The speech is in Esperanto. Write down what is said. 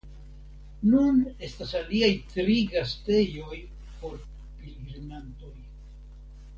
Nun estas aliaj tri gastejoj por pilgrimantoj.